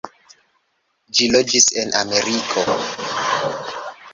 Ĝi loĝis en Ameriko.